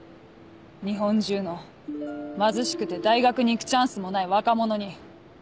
日本中の貧しくて大学に行くチャンスもない若者に。